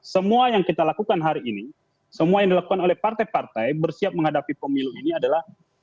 semua yang kita lakukan hari ini semua yang dilakukan oleh partai partai bersiap menghadapi pemilu ini adalah